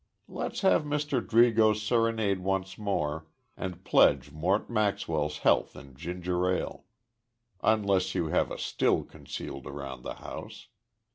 Let's have Mr. Drigo's Serenade once more and pledge Mort Maxwell's health in ginger ale unless you have a still concealed around the house.